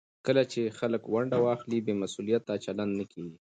کله چې خلک ونډه واخلي، بې مسوولیته چلند نه کېږي.